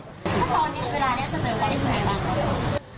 ถ้าตอนนี้เวลานี้จะเจอใครบ้าง